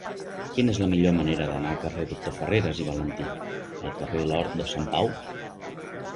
Quina és la millor manera d'anar del carrer del Doctor Farreras i Valentí al carrer de l'Hort de Sant Pau?